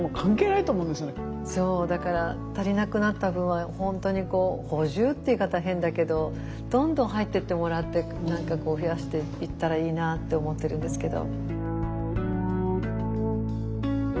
だから足りなくなった分は本当に補充っていう言い方は変だけどどんどん入ってってもらって何かこう増やしていったらいいなって思ってるんですけど。